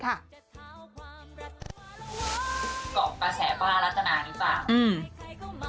เกาะประแสป้ารัตนานี่เปล่า